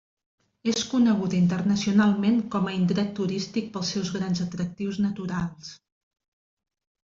És coneguda internacionalment com a indret turístic pels seus grans atractius naturals.